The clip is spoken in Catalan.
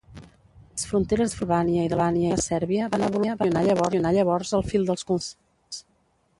Les fronteres d'Albània i del Regne de Sèrbia van evolucionar llavors al fil dels conflictes.